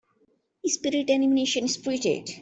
Spirit animation Spirited.